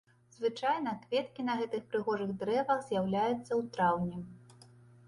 Звычайна, кветкі на гэтых прыгожых дрэвах з'яўляюцца ў траўні.